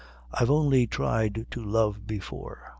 I've only tried to love before.